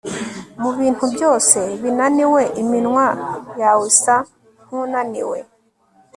mubintu byose binaniwe iminwa yawe isa nkunaniwe